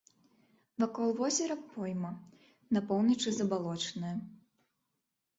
Вакол возера пойма, на поўначы забалочаная.